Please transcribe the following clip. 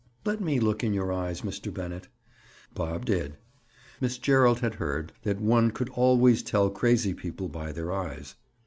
"Let me look in your eyes, Mr. Bennett." Bob did. Miss Gerald had heard that one could always tell crazy people by their eyes.